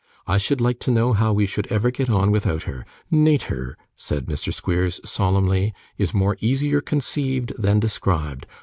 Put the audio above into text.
'I should like to know how we should ever get on without her. Natur,' said Mr. Squeers, solemnly, 'is more easier conceived than described.